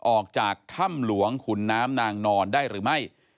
ออกจากถ้ำหลวงขุนน้ำนางนอนได้หรือไม่